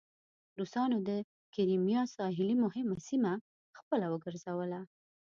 روسانو د کریمیا ساحلي مهمه سیمه خپله وګرځوله.